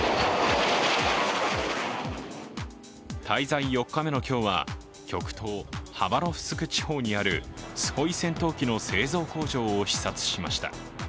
滞在４日目の今日は極東ハバロフスク地方にあるスホイ戦闘機の製造工場を視察しました。